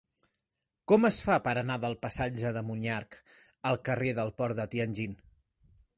Com es fa per anar del passatge de Monyarc al carrer del Port de Tianjin?